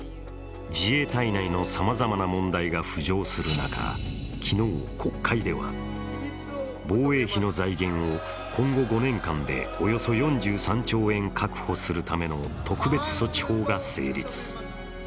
自衛隊内のさまざまな問題が浮上する中、昨日国会では、防衛費の財源を今後５年間でおよそ４３兆円確保するための特別措置法が成立。